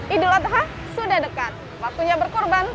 idul adha sudah dekat waktunya berkorban